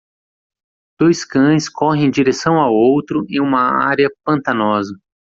Dois cães correm em direção ao outro em uma área pantanosa.